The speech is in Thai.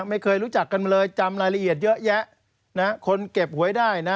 ไม่เคยรู้จักกันมาเลยจำรายละเอียดเยอะแยะคนเก็บหวยได้นะ